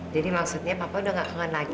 jadi maksudnya papa udah gak kangen lagi